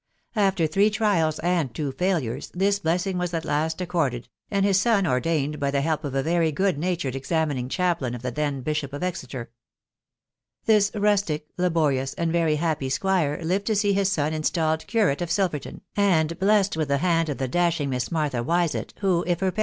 After three trials, and two failures, this blessing was at last accorded, and his son ordained, by the help of a very good natured examining chaplain of the then Bishop of Exeter. This rustic, laborious, and very happy squire lived to «L<t his son installed Curate of Silvettoxi, axv& \ta«ft& vrvScw ^ok. hand of the dashing Miss Martha Wisfttt.^Voi^ \*sst V^* %« THE WIDOW BARNABY.